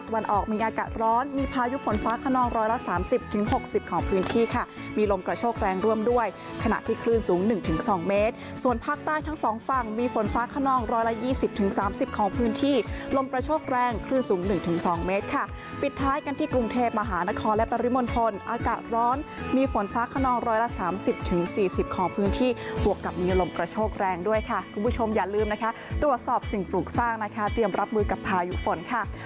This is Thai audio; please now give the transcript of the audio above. วันออกมีอากาศร้อนมีภายุฝนฟ้าขนองร้อยละ๓๐๖๐ของพื้นที่ค่ะมีลมกระโชคแรงร่วมด้วยขณะที่คลื่นสูง๑๒เมตรส่วนภาคใต้ทั้งสองฝั่งมีฝนฟ้าขนองร้อยละ๒๐๓๐ของพื้นที่ลมกระโชคแรงคลื่นสูง๑๒เมตรค่ะปิดท้ายกันที่กรุงเทพมหานครและปริมณฑลอากาศร้อนมีฝนฟ้าขนองร้อยล